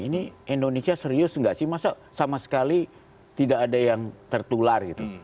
ini indonesia serius nggak sih masa sama sekali tidak ada yang tertular gitu